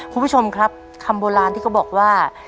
คุณผู้ชมครับคำโบราณที่เขาบอกว่า